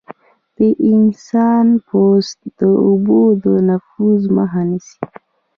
د انسان پوست د اوبو د نفوذ مخه نیسي.